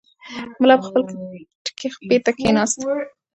ملا په خپل کټ کې بېرته کښېناست.